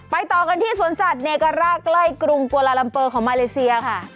ต่อกันที่สวนสัตว์เนการ่าใกล้กรุงกวาลาลัมเปอร์ของมาเลเซียค่ะ